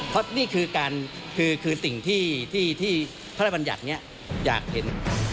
เพราะนี่คือสิ่งที่พระบัญญัติเนี่ยอยากเห็น